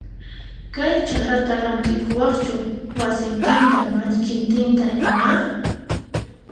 Kay chakrata rantikuwaqchu wasintinta mallkintinta ima?